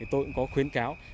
tôi cũng có khuyến cáo